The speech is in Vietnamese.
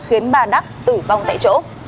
khiến bà đắc tử vong tại chỗ